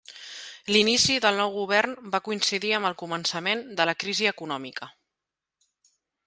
L'inici del nou govern va coincidir amb el començament de la crisi econòmica.